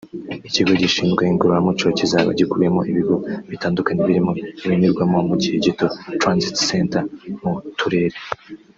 Ikigo gishinzwe igororamuco kizaba gikubiyemo ibigo bitandukanye birimo ibinyurwamo mu gihe gito (Transit centers) mu turere